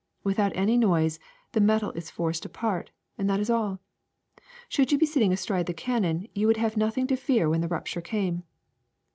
Without any noise the metal is forced apart, and that is all. Should you be sitting astride the cannon, you would have noth ing to fear when the rupture came.